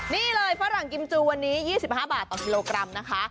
นี่เลยฝรั่งกิมจูวันนี้๒๕บาทต่อกิโลกรัมนะคะ